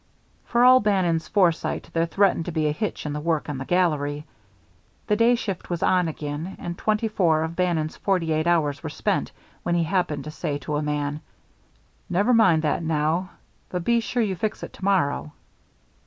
For all Bannon's foresight, there threatened to be a hitch in the work on the gallery. The day shift was on again, and twenty four of Bannon's forty eight hours were spent, when he happened to say to a man: "Never mind that now, but be sure you fix it to morrow."